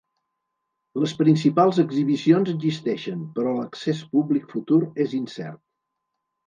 Les principals exhibicions existeixen, però l'accés públic futur és incert.